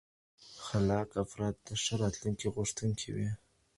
خلاق افراد د ښه راتلونکي غوښتونکي وي.